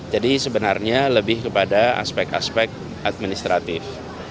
jadi sebenarnya lebih kepada aspek aspek administratif